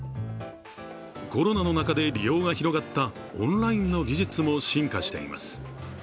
コロナの中で利用が広がったオンラインの技術も進化しています。